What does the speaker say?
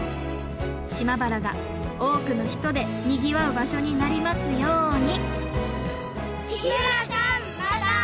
島原が多くの人でにぎわう場所になりますように。